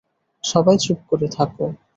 সবাই চুপ করে থাকো।